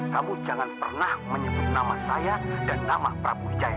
kamu jangan pernah menyebut nama saya dan nama prabu wijaya